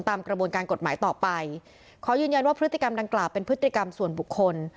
ตามกระบวนการกฎหมายต่อไปขอยืนยันว่าพฤติกรรมดังกล่าวเป็นพฤติกรรมส่วนบุคคล